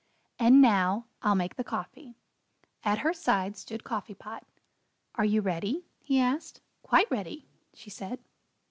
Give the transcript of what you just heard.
"And now, I'll make the coffee." At her side stood Coffee Pot. "Are you ready?" he asked. "Quite ready," she said.